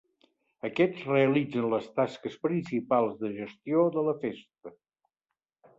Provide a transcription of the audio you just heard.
Aquests realitzen les tasques principals de gestió de la festa.